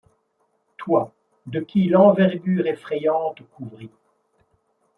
Toi de qui l'envergure effrayante couvrit